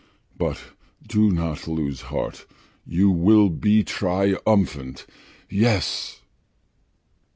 But do not lose heart, you will be triumphant! Yes!"